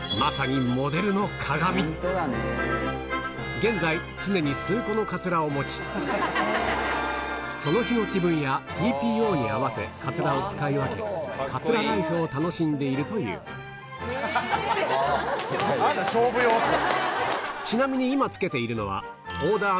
現在その日の気分やＴＰＯに合わせカツラを使い分けカツラライフを楽しんでいるというちなみに今着けているのは裏側がね